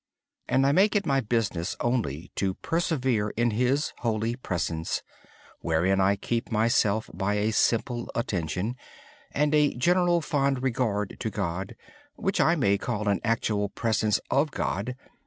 I make it my priority to persevere in His holy presence, wherein I maintain a simple attention and a fond regard for God, which I may call an actual presence of God.